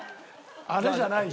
あれじゃないんだ。